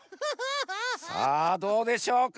さあどうでしょうか？